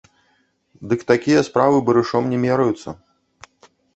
Дык такія справы барышом не мераюцца.